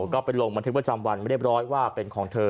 ก็ไปลงบันทึกประจำวันเรียบร้อยว่าเป็นของเธอ